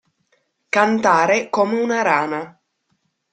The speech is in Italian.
Cantare come una rana.